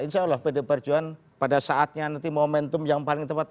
insya allah pdi perjuangan pada saatnya nanti momentum yang paling tepat